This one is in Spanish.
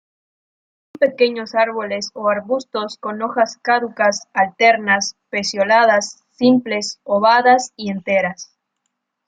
Son pequeños árboles o arbustos con hojas caducas, alternas, pecioladas, simples, ovadas y enteras.